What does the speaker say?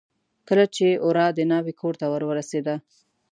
کله چې ورا د ناوې کورته ور ورسېده.